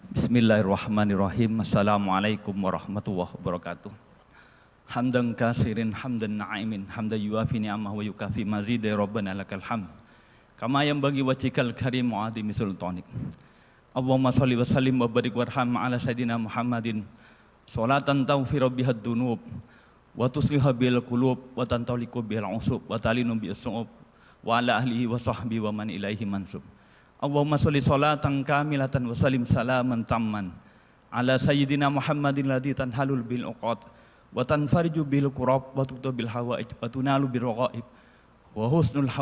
bismillahirrahmanirrahim assalamualaikum warahmatullahi wabarakatuh